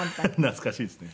懐かしいですね。